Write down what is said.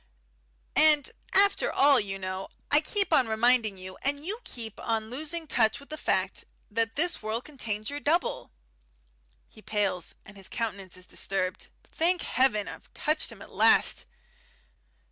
"And, after all, you know I keep on reminding you, and you keep on losing touch with the fact, that this world contains your double." He pales, and his countenance is disturbed. Thank Heaven, I've touched him at last!